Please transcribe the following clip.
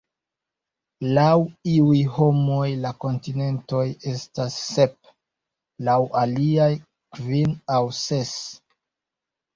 Laŭ iuj homoj la kontinentoj estas sep, laŭ aliaj kvin aŭ ses.